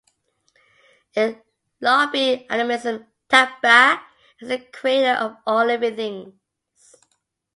In Lobi animism, "Thagba" is the creator of all living things.